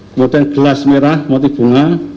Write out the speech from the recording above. kemudian gelas merah motif bunga